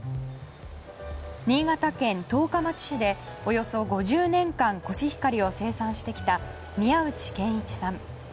新潟県十日町市でおよそ５０年間コシヒカリを生産してきた宮内賢一さん。